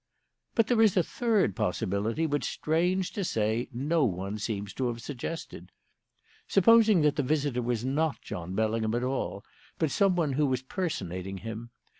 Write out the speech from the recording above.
"But there is a third possibility, which, strange to say, no one seems to have suggested. Supposing that the visitor was not John Bellingham at all, but someone who was personating him?